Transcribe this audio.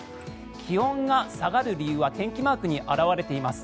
気温が下がる理由は天気マークに表れています。